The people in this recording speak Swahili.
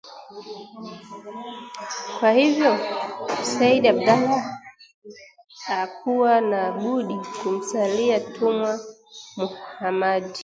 Kwa hivyo, Sayyid Abdallah hakuwa na budi kumsalia Tumwa Muhammadi